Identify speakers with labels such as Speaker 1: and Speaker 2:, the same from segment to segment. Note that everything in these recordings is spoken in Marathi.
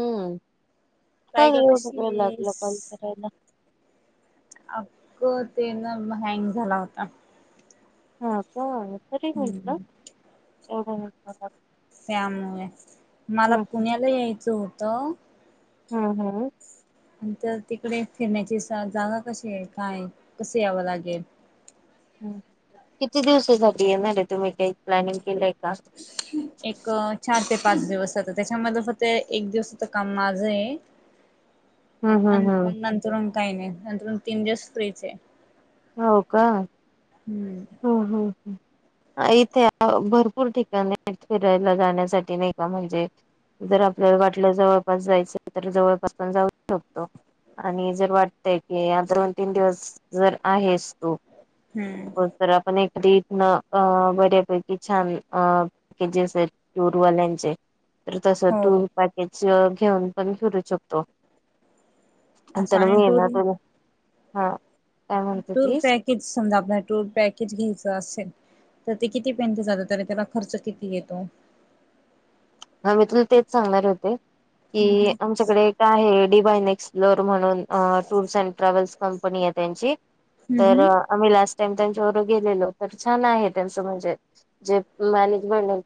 Speaker 1: हम्म, का
Speaker 2: काय ग
Speaker 1: एवढ
Speaker 2: कशी
Speaker 1: वेळ लागलं
Speaker 2: आहेस?
Speaker 1: कॉल करायला?
Speaker 2: अख्क ते ना हँग झाला होता.
Speaker 1: हा का, तरी म्हटलं
Speaker 2: हम्म
Speaker 1: एवढा वेळ का लागला.
Speaker 2: त्यामुळे. मला पुण्याला यायचं होतं.
Speaker 1: हम्म हम्म.
Speaker 2: आणिंतर तिकडे फिरण्याची जागा कशीय, काय, कस यावं लागेल?
Speaker 1: ह किती दिवसासाठी येणार आहे तुम्ही काही, प्लॅनिंग केलंय का?
Speaker 2: एक चार ते पाच दिवसाच, त्याच्यामध्ये फक्त एक दिवसाच काम माझंय.
Speaker 1: हम्म हम्म
Speaker 2: आणि मग
Speaker 1: हम्म
Speaker 2: नंतर मग काही नाही. नंतर मग तीन दिवस फ्रीचय.
Speaker 1: हो का?
Speaker 2: हम्म.
Speaker 1: ह ह ह. इथे भरपूर ठिकाणी फिरायला जाण्यासाठी नाही का, म्हणजे जर आपल्याला वाटलं जवळपास जायचंय, तर जवळपास पण जाऊ शकतो. आणि जर वाटतय की, या दोन तीन दिवस जर आहेस तू
Speaker 2: हम्म.
Speaker 1: तर आपण एखादी इथनं अ- बऱ्यापैकी छान अ पॅकेजेस आहेत टूर वाल्याचे तर तस
Speaker 2: हो
Speaker 1: टूर पॅकेज घेऊन पण फिरू शकतो.
Speaker 2: असं
Speaker 1: तण
Speaker 2: आणि
Speaker 1: मी येना
Speaker 2: टूर
Speaker 1: त, हा. काय म्हणते
Speaker 2: टूर
Speaker 1: तीस
Speaker 2: पॅकेज समजा, आपण टूर पॅकेज घ्यायचं असेल तर ते किती पर्यंत जात, तर त्याला खर्च किती येतो?
Speaker 1: हा मी तुला तेच सांगणार होते.
Speaker 2: हम्म
Speaker 1: की आमच्याकडे एक काय आहे, डिबाईन एक्सप्लोर म्हणून अ -टूर्स अँड ट्रॅव्हल्स कंपनी आहे त्यांची. तर
Speaker 2: हम्म.
Speaker 1: आम्ही लास्ट टाइम त्यांच्या बरोबर गेलेलो. तर छान आहे त्यांचं म्हणजे जे मॅनेज मेंटय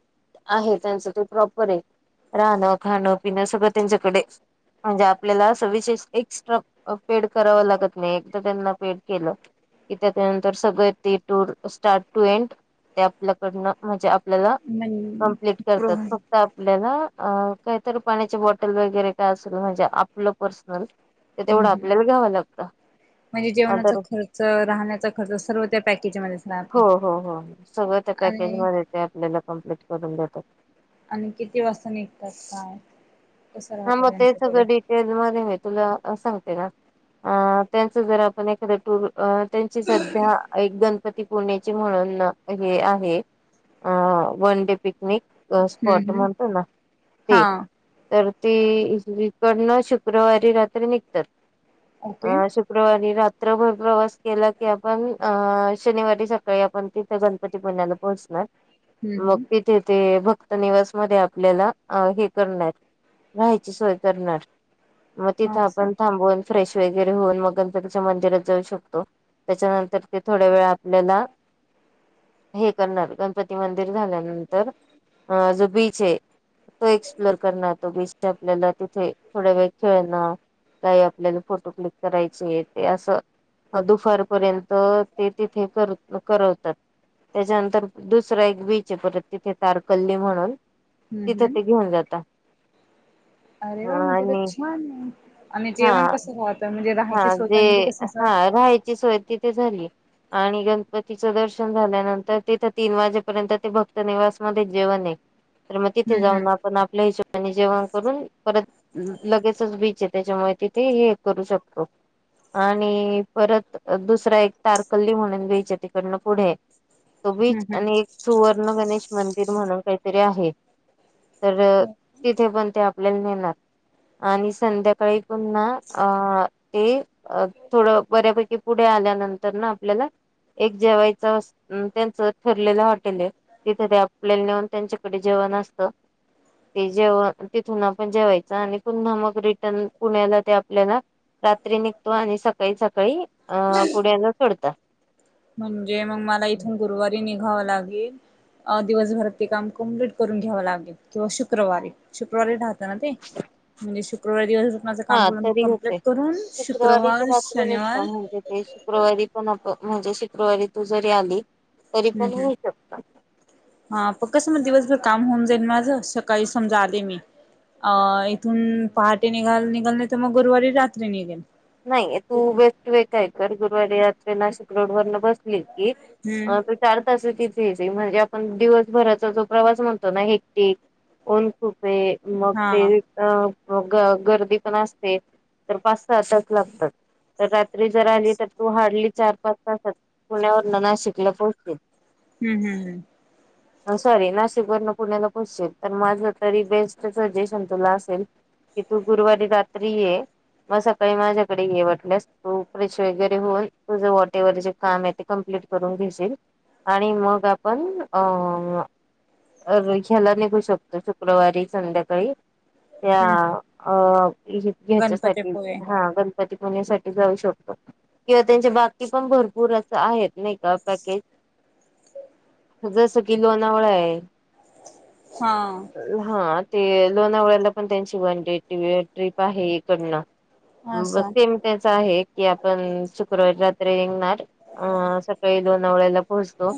Speaker 1: आहे त्यांचं ते प्रॉपरय. राहणं, खाणं, पिणं सगळं त्यांच्याकडे. म्हणजे आपल्याला असं विशेष एक्स्ट्रा अ पेड करावं लागत नाही, एकदा त्यांना पेड केलं. कि त्याच्यानंतर सगळे ते टूर, स्टार्ट टू एंड त्या आपल्याकडन म्हणजे आपल्याला
Speaker 2: म्हण
Speaker 1: कंप्लीट
Speaker 2: प्रो
Speaker 1: करतात. फ
Speaker 2: हम्म
Speaker 1: क्त आपल्याला अ- कायतर पाण्याचे बॉटल वगैरे काय असेल म्हणजे आपलं पर्सनल ते तेवढं
Speaker 2: हम्म.
Speaker 1: आपल्याला घ्याव लागत.
Speaker 2: म्हणजे जेवणाचा खर्च, राहण्याचा खर्च सर्व त्या पॅकेजमध्येध्येच
Speaker 1: हो
Speaker 2: राहत.
Speaker 1: हो हो सगळं त्या पॅकेज मध्ये ते आपल्याला कम्प्लीट करून देतात.
Speaker 2: आणि किती वाजता निघतात काय, कसं राहतं त्यांच्याकडे?
Speaker 1: तेच मधे मी तुला सांगते ना, अ- त्यांच जर आपण एखाद टूर अ- त्यांची सध्या ऐक गणपती ती पुण्याची म्हणून हे आहे, अ -वन डे पिकनिक. अ
Speaker 2: हम्म
Speaker 1: स्पॉट
Speaker 2: हम्म.
Speaker 1: म्हणतो ना, ते.
Speaker 2: हा
Speaker 1: तर ती इकडनं शुक्रवारी रात्री निघतात. अ-
Speaker 2: ओके.
Speaker 1: श शुक्रवारी रात्रभर प्रवास केला की आपण अ -शनिवारी सकाळी आपण ती गणपतीपनण्याला पोहोचणार.
Speaker 2: हम्म
Speaker 1: मग
Speaker 2: हम्म.
Speaker 1: तिथे ते भक्तनिवास मध्ये आपल्याला अ हे करणार राहायची सोय करणार. म तिथं
Speaker 2: असं.
Speaker 1: आपण थांबून फ्रेश वेगैरे होऊन मग गणपतीच्या मंदिरात जाऊ शकतो. त्याच्यानंतर ते थोड्या वेळ आपल्याला हे करणार गणपती मंदिर झाल्यानंतर, अ -जो बीच आहे तो एक्सप्लोर करणार तो बीच आपल्याला तिथे थोड्या वेळ खेळणं काही आपल्याला फोटो क्लिक करायचं आहे ते असं अ दुफारपर्यंत ते तिथे कर करवतात. त्याच्यानंतर दुसरा एक बीच आहे परत तिथे तारकल्ली म्हणून
Speaker 2: हम्म
Speaker 1: तिथं
Speaker 2: हम्म.
Speaker 1: ते घेऊन जाता.
Speaker 2: अरे वा मध्ये तर
Speaker 1: आणि
Speaker 2: छान आहे आणि
Speaker 1: हा
Speaker 2: जेवण कसं व्हाल?
Speaker 1: हा जे हा राहायची सोय तिथे झाली. आणि गणपतीचं दर्शन झाल्यानंतर तिथ तीन वाजेपर्यंत ते भक्तनिवास मध्ये जेवणय. तर मग तिथे
Speaker 2: हम्म हम्म.
Speaker 1: जाऊन आपण आपल्या हिच्या आणि जेवण करून परत लगेचच बीचय, त्याच्यामुळे तिथे हे करू शक अ आणि परत दुसरा एक तारकल्ली म्हणून बीचय ते पण मग पुढे. तो बीच
Speaker 2: हम्म
Speaker 1: आणि
Speaker 2: हम्म.
Speaker 1: एक सुवर्ण गणेश मंदिर म्हणून काहीतरी आहे. तर तिथे पण त्या आपल्याला नेणार आणि संध्याकाळी पुन्हा अ ते अ थोडं बऱ्यापैकी पुढे आल्यानंतर ना आपल्याला एक जेवायच त्यांचं ठरलेलं हॉटेलय तिथे ते आपल्याला नेऊन त्यांच्याकडे जेवण असतं. ते जेव तिथून आपण जेवायचं आणि पुन्हा मग रिटर्न पुण्याला ते आपल्याला रात्री निघतो आणि सकाळी सकाळी अ -पुड्याला सोडता.
Speaker 2: म्हणजे मग मला इथून गुरुवारी निघावं लागेल अ दिवसभरात ते काम कम्प्लीट करून घ्यावं लागेल, किंवा शुक्रवारी शुक्रवारी ढा तरांती. म्हणजे शुक्रवारी दिवसभर माझं काम
Speaker 1: हा
Speaker 2: पूर्ण
Speaker 1: तरी
Speaker 2: कम्प्लीट
Speaker 1: होते
Speaker 2: करून,
Speaker 1: शुक्रवारी ते
Speaker 2: शुक्रवार,
Speaker 1: रात्री निघता
Speaker 2: शनिवार
Speaker 1: म्हणजे ते शुक्रवारी पण आप म्हणजे शुक्रवारी तू जरी आली, तरी
Speaker 2: हम्म
Speaker 1: पण
Speaker 2: हम्म
Speaker 1: येऊ शकता.
Speaker 2: हा प कसं म दिवसभर काम होऊन जाईल माझ, सकाळी समजा आले मी. अ इथून पहाटे निघाल निघाल नाही तर मग गुरुवारी रात्री निघेन.
Speaker 1: नाही तू बेस्ट वे काय कर, गुरुवारी रात्री नाशिक रोड वरन बसली की
Speaker 2: हम्म
Speaker 1: अ ते चार तास तिथयची म्हणजे आपण दिवसभराचा जो प्रवास म्हणतो ना हेटिक ओन खूप मग
Speaker 2: हा
Speaker 1: ते अ- गर्दी पण असते. तर पाच तासांत लागतात. तर रात्री जर
Speaker 2: हम्म
Speaker 1: आली तर तू हार्डली चार पाच तासात पुण्यावरन नाशिकला पोहचेन.
Speaker 2: हम्म हम्म हम्म.
Speaker 1: सॉरी नाशिक वरन पुण्याला पोहचशील, तर माझ तरी बेस्ट सजेशन तुला असेल की तू गुरुवारी रात्री ये. मग सकाळी माझ्याकडे ये वाटल्यास तू फ्रेश वगैरे होऊन, तुझ वॉटेवर जे काम आहे ते कंप्लीट करून घेशील. आणि मग आपण अ अ घ्यायला निघू शकतो, शुक्रवारी संध्याकाळी त्या
Speaker 2: हम्म
Speaker 1: अ - ह्याच्यासाठी
Speaker 2: गणपतीपुळे
Speaker 1: हा गण पती पूण्यासाठी जाऊ शकतो, किंवा त्यांच्या बाकी पण भरपूर असं आहेत नाही पर पॅकेज, जस की लोनावळाय.
Speaker 2: हा
Speaker 1: हा ते लोणावळ्याला पण त्यांची वन डे टीव्ही वर टिप आहे हे पण.
Speaker 2: हा असा
Speaker 1: सेम त्याच आहे की आपण शुक्रवारी रात्री निघणार अं सकाळी दोनवळ्याला पोहोचतो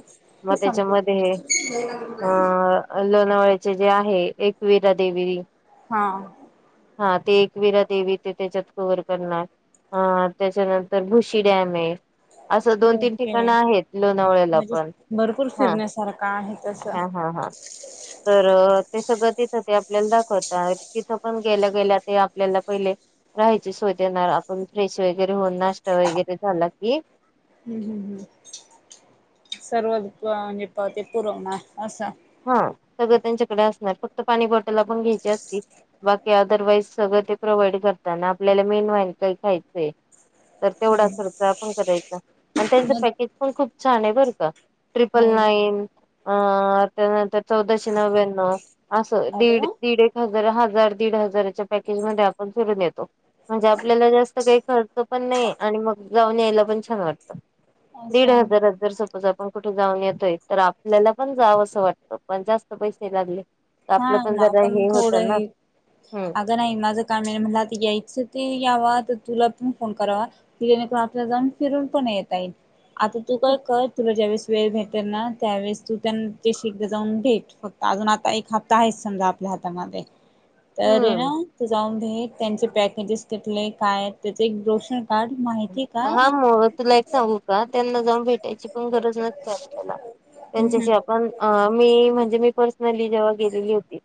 Speaker 1: मग
Speaker 2: ते संपलं
Speaker 1: त्याच्यामध्येकोण
Speaker 2: [inaudible]
Speaker 1: अ लोणावळचे जे आहे एकवीरा देवी
Speaker 2: हा
Speaker 1: हा ते एकविरा देवी ते त्याच्यात कवर करणार ह त्याच्यानंतर भुशी डॅम आहे असं दोन तीन
Speaker 2: ओके
Speaker 1: ठिकाण आहेत लोणावळ्याला
Speaker 2: म्हणजे
Speaker 1: पण
Speaker 2: भरपूर
Speaker 1: हा
Speaker 2: फिरण्यासारखं आहे तसं.
Speaker 1: हा ह हां
Speaker 2: [inaudible]
Speaker 1: तर ते सगळं तिथं ते आपल्याला दाखवत तिथं पण गेल्या गेल्या ते आपल्याला पहिले राहायची सोयध येणार आपण फ्रेश वगैरे होऊन नाश्ता वगैरे झाला की
Speaker 2: हम् हम् हम् सर्व म्हजे पावते पुरवना असा
Speaker 1: हा सगळं त्यांच्याकडे असणार फक्त पाणी बॉटल पण घ्यायची असती बाकी अदरवाईज सगळं ते प्रोव्हाइड करताना आपल्याला मेन वन काही खायचंय तर तेवढा खर्च आपण करायचा आणि त्यांच
Speaker 2: मग
Speaker 1: पॅकेज पण खूप छान आहे बरं का ट्रिपल
Speaker 2: हो
Speaker 1: नाईन अ त्यानंतर चौदाशे नव्याण्णव असं
Speaker 2: अरे
Speaker 1: दीड
Speaker 2: वा
Speaker 1: दीड एक हजार हजार दीड हजाराच्या पॅकेज मध्ये आपण फरून येतो म्हणजे आपल्याला जास्त काही खर्च पण नाही आणि मग गाऊन यायला पण छान वाटतं दीड
Speaker 2: असं
Speaker 1: हजारात जर सपोज आपण कुठे जाऊन येतोय तर आपल्याला पण जाव असं वाटत पण जास्त पैसे लागले तर
Speaker 2: हा
Speaker 1: आपलं पण
Speaker 2: ना
Speaker 1: जरा
Speaker 2: आपण
Speaker 1: हे होत
Speaker 2: थोडं
Speaker 1: ना
Speaker 2: हे
Speaker 1: हम्
Speaker 2: अगं नाही माझं काम नाही म्हला आता यायचं ते याव तर तुला पण फोन करावा ति नक आपला जाऊन फिरून पण येता येईल आता तू काय क तुला ज्यावेेळेस वेळ भेट ना त्यावेळेस तू त्यां एकदा जाऊन भेट फक्त अजून आ एक ह आहे समजा आपल्या हातामध्ये तर ना
Speaker 1: हम्म
Speaker 2: तर जाऊन घ त्यांचे पॅकेजेस कथले काय आहेत त्याचे एक दोष काढ मा
Speaker 1: हा मग तुला एक सांगू का त्यांना जाऊन भेटायची पण गरज नसते आपल्याला
Speaker 2: हम्म हम्म.
Speaker 1: त्यांच्याशी आपण मी म्हणजे मी पर्सनली जेव्हा गेलेली होती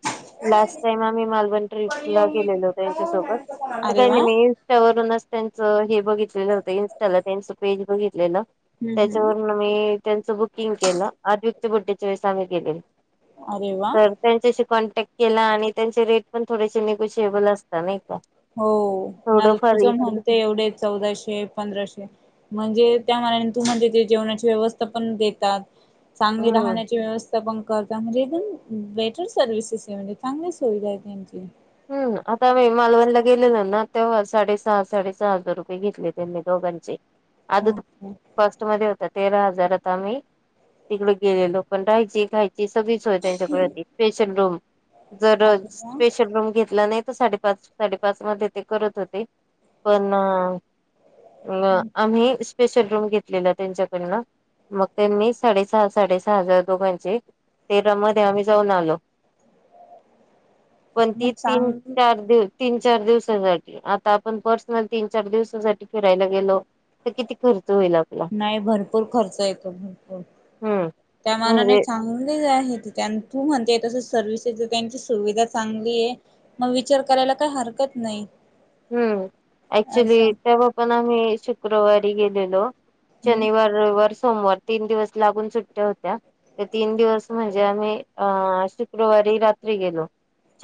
Speaker 1: लास्ट टाइम आम्ही मालबर्न ट्रिपला गेलेल होत त्यांच्यासोबत तर
Speaker 2: अरे वा
Speaker 1: त्यांनी मी त्यावरूनच त्यांच हे बघितलेलं होत इन्स्टाला त्यांच पेज बघितलेलं
Speaker 2: हम्म हम्म.
Speaker 1: त्याच्यावरून त्यांचं बुकिंग केलं आधच्या बुड्याच्या वेस आम्ही केलेले
Speaker 2: अरे वा
Speaker 1: त्यांच्याशी कॉन्टॅक्ट केला आणि त्यांचे रेट पण थोडेसे निगोशिएबल असत नाही का
Speaker 2: हो ना तर
Speaker 1: थोडंफार
Speaker 2: तुझं
Speaker 1: इकडे
Speaker 2: म्हणते
Speaker 1: तिकडे
Speaker 2: एवढे चौदाशे पंधराशे म्हणजे त्या मनाने तुम्हाला तिथे जेवणाची व्यवस्था पण देतात. चांगली
Speaker 1: हम्म
Speaker 2: राहण्याची व्यवस्था पण करत म्हणजे एकदम बेटर सर्विसेस आहे म्हणजे चांगली सुविधा आहे त्यांची.
Speaker 1: हम्म! आता आम्ही मालवणला गेलेलो ना तेव्हा साडे सहा साडेसहा हजार रुपये घेतले त्यांनी दोघांचे.
Speaker 2: ओके
Speaker 1: [inaudible] फर्स्ट मध्ये होता तेरा हजारात आम्ही तिकड गेलेलो पण राहायची खायची. ती सगळी सोय त्यांच्याकडे होती. स्पेशल जर
Speaker 2: अरे वा.
Speaker 1: स्पेशल रूम घेतला नाही तर साडेपाच साडेपाच मध्ये ते करत होते पण अ आम्ही स्पेशल रूम घेतलेला त्यांच्याकडन मग त्यांनी साडेसहा साडेसहा हजार दोघांचे तेरा मध्ये आम्ही जाऊन आलो.
Speaker 2: [inaudible] मग
Speaker 1: कोणती?
Speaker 2: चांगली
Speaker 1: [unintelligible] तीन चार दिवसासाठी आता आपण पर्सनल तीन चार दिवसासाठी फिरायला गेलो. तर किती खर्च होईल. आपला
Speaker 2: नाही भरपूर खर्च येतो, भरपूर.
Speaker 1: हम्म
Speaker 2: त्या मानाने
Speaker 1: म्हणजे
Speaker 2: चांगलीज आहे ती त्यानं. तू म्हणतेय तसं सर्विसेस त्यांची सुविधा चांगलीय. मग विचार करायला काही हरकत नाही.
Speaker 1: हम्म ऍक्च्युली
Speaker 2: असं
Speaker 1: तेव्हा पण आम्ही शुक्रवारी गेलेलो.
Speaker 2: हम्म
Speaker 1: शनिवार रविवार, सोमवार. तीन दिवस लागून सुट्ट्या होत्या. ते तीन दिवस म्हणजे आम्ही अ -शुक्रवारी रात्री गेलो.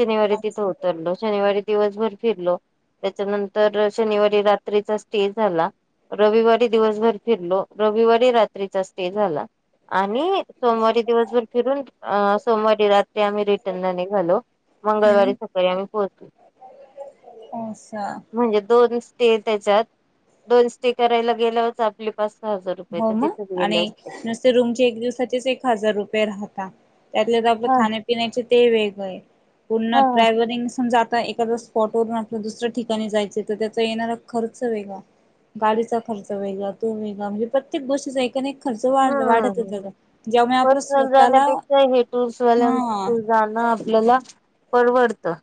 Speaker 1: शनिवारी तिथ
Speaker 2: अच्छा
Speaker 1: उतरलो. शनिवारी दिवसभर फिरलो. त्याच्यानंतर शनिवारी रात्रीचा स्टे झाला. रविवारी दिवसभर फिरलो. रविवारी रात्रीचा स्टे झाला. आणि सोमवारी दिवसभर फिरून अ -सोमवारी रात्री आम्ही रिटर्नला निघालो. मंगळवारी
Speaker 2: हम्म
Speaker 1: सकाळी आम्ही पोहचलो.
Speaker 2: असं.
Speaker 1: म्हणजे दोन स्टे त्याच्यात, दोन स्टे करायला गेल्या हो आपली पाच सहा हजार रुपये
Speaker 2: हो
Speaker 1: तर
Speaker 2: मग
Speaker 1: तिथच गेले
Speaker 2: आणि
Speaker 1: असते.
Speaker 2: नुसते रूमचे एक दिवसाचेच एक हजार रुपये राहता. त्यात आपल
Speaker 1: हा
Speaker 2: खान्या पिण्याचे ते वेगळे. पूर्ण
Speaker 1: हा.
Speaker 2: ट्रॅव्हलिंग समजा आता एखादा स्पॉटवरून आपल्या दुसऱ्या ठिकाणी जायच तर त्याचा येणारा खर्च वेगळा. गाडीचा खर्च वेगळा तो वेगळा, म्हणजे प्रत्येक गोष्टीचा एक ना एक खर्च वा
Speaker 1: हा
Speaker 2: वाढतच जातो. ज्यामुळे आपलं
Speaker 1: पर्सनल
Speaker 2: स्वतःला
Speaker 1: जाण्यापेक्षा, हे टूर्स वाल्यां
Speaker 2: हा
Speaker 1: जाणं आपल्याला परवडतं.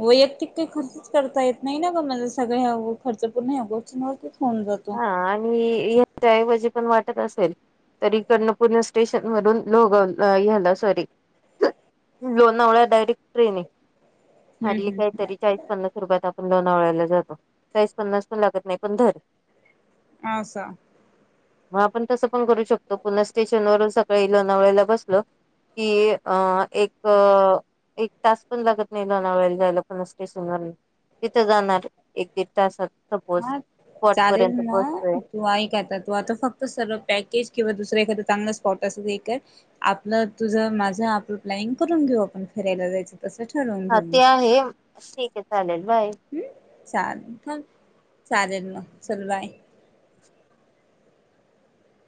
Speaker 2: वैयक्तिक काही खर्चच करता येत नाही ना ग, मग सगळा खर्च पूर्ण ह्या गोष्टींनाच होतोच. होऊन जातो.
Speaker 1: मी याच्याऐवजी पण वाटत असेल तरी इकडनं पुणे स्टेशन वरून लोग ह्याला सॉरी. लोणावळ्या डायरेक्ट ट्रेन आहे,
Speaker 2: हम्म
Speaker 1: हार्डली काही
Speaker 2: हम्म
Speaker 1: तरी चाळीस पन्नास रुपयात आपण लोणावळाल्या जातो. चाळीस पन्नास पण लागत नाही, पण धर
Speaker 2: आसा.
Speaker 1: मग आपण तसं पण करू शकतो, पुन्हा स्टेशनवरून सकाळी लोणावळेला बसलो कि अ एक अ एक तास पण लागत नाही, लोनावळेला जायला पुणे स्टेशन वरून. तिथं जाणार एक दीड तासात सपोज
Speaker 2: हा
Speaker 1: स्पॉट
Speaker 2: चालेल
Speaker 1: पर्यंत
Speaker 2: मग,
Speaker 1: पोहोचतोय
Speaker 2: तू ऐक आता तू आता फक्त सर्व पॅकेज किंवा दुसरं एखादं चांगलं स्पॉट असं हे कर आपलं, तुझं, माझं, आपलं प्लॅनिंग करून घेऊ आपण फिरायला जायचं. तसं ठरव.
Speaker 1: हा ते आहे. ठीक आहे चालेल बाय.
Speaker 2: हुं. चालेल चालेल, चल बाय.